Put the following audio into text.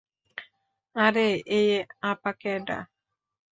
আরে এই আপা কেডা?